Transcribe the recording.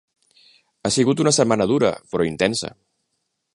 Ha sigut una setmana dura però intensa.